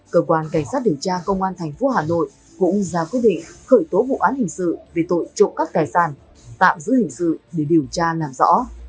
cơ quan cảnh sát điều tra công an thành phố hà nội cũng ra quyết định khởi tố vụ án hình sự về tội trộm cắp tài sản tạm giữ hình sự để điều tra làm rõ